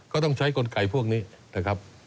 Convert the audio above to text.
ก็ต้องใช้กลไกพวกนี้นะครับ